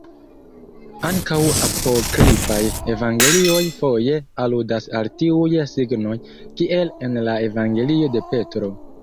Ankaŭ apokrifaj evangelioj foje aludas al tiuj signoj kiel en la evangelio de Petro.